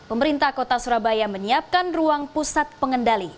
pemerintah kota surabaya menyiapkan ruang pusat pengendali